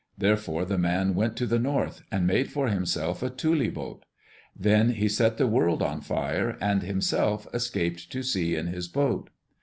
Therefore the man went to the north, and made for himself a tule boat. Then he set the world on fire, and himself escaped to sea in his boat.